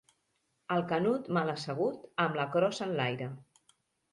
El Canut mal assegut, amb la crossa enlaire.